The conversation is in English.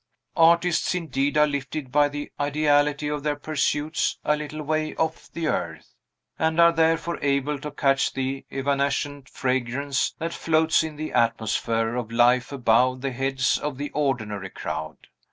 Artists, indeed, are lifted by the ideality of their pursuits a little way off the earth, and are therefore able to catch the evanescent fragrance that floats in the atmosphere of life above the heads of the ordinary crowd.